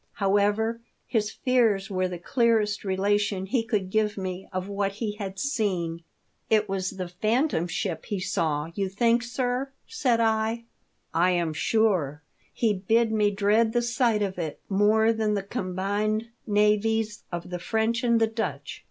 However, his fears were the clearest relation he could give me of what he had seen." "It was the Phantom Ship he saw, you think, sir?" said I. " I am sure. He bid me dread the sight of it more than the combined navies of the French and the Dutch.